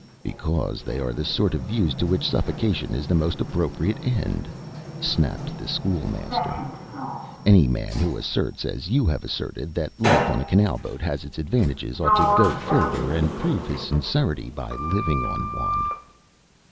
"Because they are the sort of views to which suffocation is the most appropriate end," snapped the School Master. "Any man who asserts, as you have asserted, that life on a canal boat has its advantages, ought to go further, and prove his sincerity by living on one."